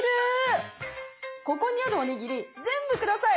ここにあるおにぎり全部下さい。